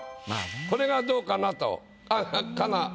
これがどうかなと。